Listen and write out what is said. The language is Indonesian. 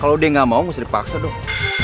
kalau dia nggak mau mesti dipaksa dong